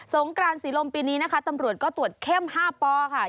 งกรานศรีลมปีนี้นะคะตำรวจก็ตรวจเข้ม๕ปค่ะ